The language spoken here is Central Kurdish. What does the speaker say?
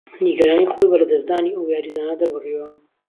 نیگهرانى خۆى به لهدهستدانى ئهو یاریزانه دهربڕیوه